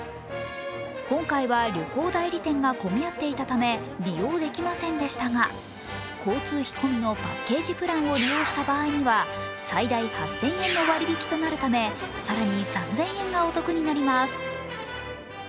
今回は旅行代理店が混み合っていたため利用できませんでしたが交通費込みのパッケージプランを利用した場合には最大８０００円の割り引きとなるため更に３０００円がお得になります。